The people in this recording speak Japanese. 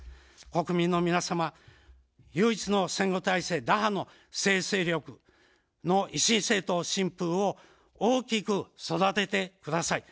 国民の皆様、唯一の戦後体制打破の政治勢力の維新政党・新風を大きく育ててください。